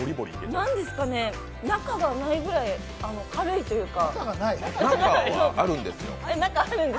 なんですかね、中がないぐらい軽いというか。